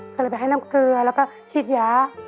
ก็เลยไปให้น้ำเกลือแล้วก็ฉีดยา